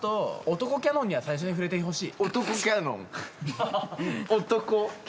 漢キャノンには最初に触れてほしい。